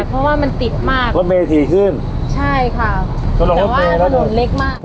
เพราะว่ามันติดมากรถเมถี่ขึ้นใช่ค่ะแต่ว่าถนนเล็กมาก